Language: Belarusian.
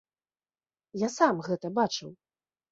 Я сам гэта бачыў.